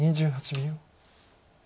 ２８秒。